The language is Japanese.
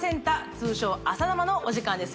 通称「朝生」のお時間です